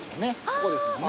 そこですもんね。